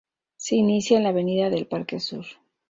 Se inicia en la avenida del Parque Sur.